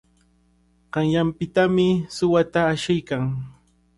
Qanyanpitami suwata ashiykan.